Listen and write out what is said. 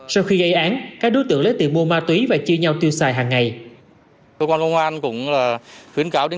sau khi gây án các đối tượng lấy tiền mua ma túy và chia nhau tiêu xài hàng ngày